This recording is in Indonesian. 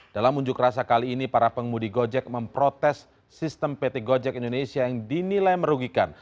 dalam unjuk rasa kali ini para pengemudi gojek memprotes sistem pt gojek indonesia yang dinilai merugikan